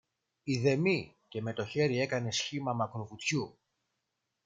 ειδεμή, και με το χέρι έκανε σχήμα μακροβουτιού